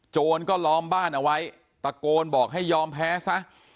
โจรก็ล้อมบ้านเอาไว้ตะโกนบอกให้ยอมแพ้ซะ